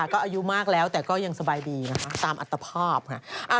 อะค่ะก็อายุมากแล้วแต่ก็ยังสบายดีค่ะ